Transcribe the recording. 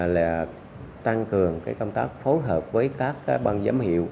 là tăng cường công tác phối hợp với các ban giám hiệu